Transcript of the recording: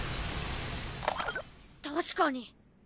確かに。